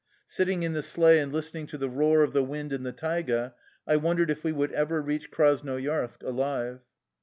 Sitting in the sleigh and listening to the roar of the wind in the taiga I wondered if we would ever reach Krasnoyarsk alive.